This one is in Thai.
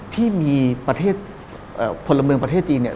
ที่มีผลเมืองประเทศจีน